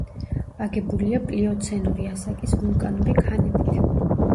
აგებულია პლიოცენური ასაკის ვულკანური ქანებით.